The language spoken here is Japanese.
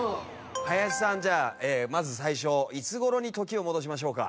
林さんじゃあまず最初いつ頃に時を戻しましょうか？